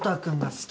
好き。